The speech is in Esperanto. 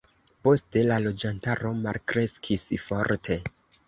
Poste la loĝantaro malkreskis forte.